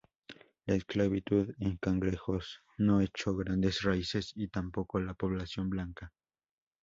La esclavitud en Cangrejos no echó grandes raíces y tampoco la población blanca.